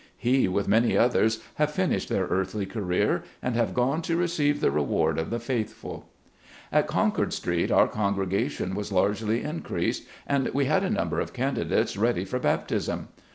He, with many others, have finished their earthly career, and have gone to receive the reward of the faithful. At Concord Street our congregation was largely increased, and we had a number of candidates ready for baptism.